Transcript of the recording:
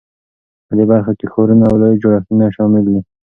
په دې برخه کې ښارونه او لوی جوړښتونه شامل دي.